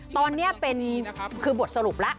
ตอนนี้เป็นคือบทสรุปแล้ว